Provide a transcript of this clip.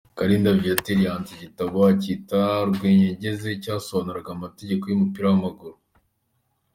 Kalinda Viateur yanditse igitabo akita “Rwanyeganyeze” cyasobanuraga amategeko y’umupira w’amaguru.